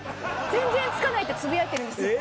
全然付かないってつぶやいてるんですずっと。